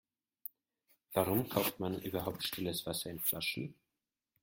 Warum kauft man überhaupt stilles Wasser in Flaschen?